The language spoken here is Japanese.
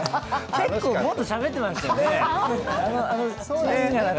結構、もっとしゃべってましたよね。